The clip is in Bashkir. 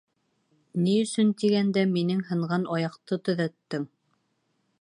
Ни өсөн тигәндә, минең һынған аяҡты төҙәттең.